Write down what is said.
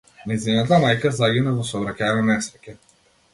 Нејзината мајка загина во сообраќајна несреќа.